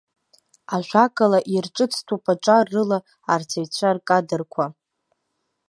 Ажәакала, ирҿыцтәуп аҿар рыла арҵаҩцәа ркадрқәа.